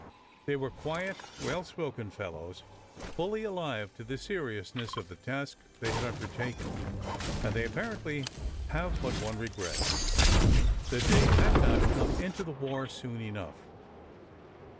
They were quiet, well spoken fellows, fully alive to the seriousness of the task they have undertaken, and they apparently have but one regret that they had not come into the war soon enough.